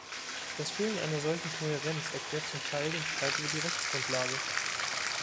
Das Fehlen einer solchen Kohärenz erklärt zum Teil den Streit über die Rechtsgrundlage.